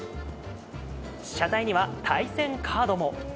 車体には対戦カードも。